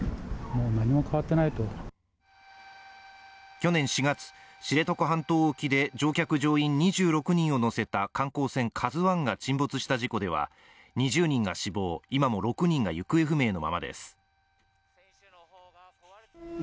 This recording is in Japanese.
去年４月、知床半島沖で乗客・乗員２６人を乗せた観光船「ＫＡＺＵⅠ」が沈没した事故では２０人が死亡、今も６人が行方不明のままです。